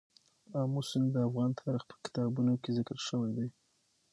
آمو سیند د افغان تاریخ په کتابونو کې ذکر شوی دي.